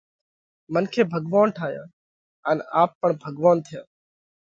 منکي ڀڳوونَ ٺايا ان آپ پڻ ڀڳوونَ ٿيا۔